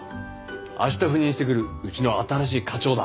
明日赴任してくるうちの新しい課長だ。